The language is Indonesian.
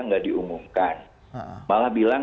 tidak diumumkan malah bilang